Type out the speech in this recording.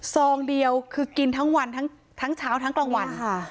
ซองเดียวคือกินทั้งวันทั้งเช้าทั้งกลางวัน